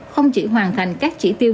không chỉ hoàn thành các chỉ tiêu